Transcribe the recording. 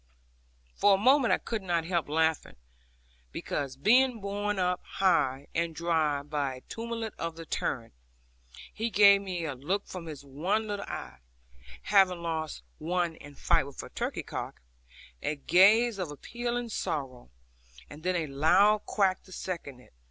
For a moment I could not help laughing, because, being borne up high and dry by a tumult of the torrent, he gave me a look from his one little eye (having lost one in fight with the turkey cock), a gaze of appealing sorrow, and then a loud quack to second it.